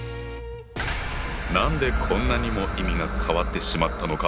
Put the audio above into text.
何でこんなにも意味が変わってしまったのか？